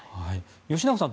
吉永さん